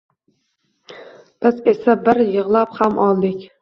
Biz esa bir yig`lab ham oldik